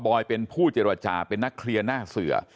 อยเป็นผู้เจรจาเป็นนักเคลียร์หน้าเสือ